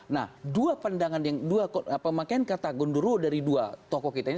nah dua pandangan yang dua pemakaian kata gondoro dari dua tokoh kita ini